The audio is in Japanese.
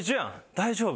大丈夫？